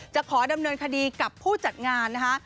จะขอดำเนินคดีกับผู้จัดงานนะคะ